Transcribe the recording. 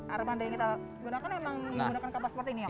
armada yang kita gunakan memang menggunakan kapal seperti ini ya pak